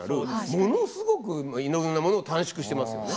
ものすごくいろんなものを短縮してますよね。